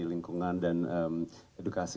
lingkungan dan edukasi